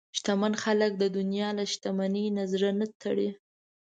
شتمن خلک د دنیا له شتمنۍ نه زړه نه تړي.